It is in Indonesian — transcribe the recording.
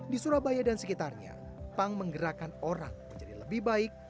di surabaya dan sekitarnya punk menggerakkan orang menjadi lebih baik